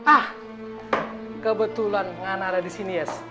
ah kebetulan ga ada di sini ya